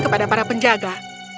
kepada para penjaga